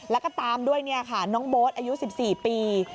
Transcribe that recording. แล้วก็ตามด้วยค่ะน้องโบ๊ทอายุ๑๔ปี